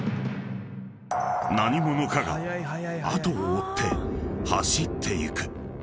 ［何者かが後を追って走っていく］